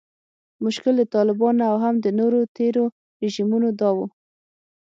مشکل د طالبانو او هم د نورو تیرو رژیمونو دا و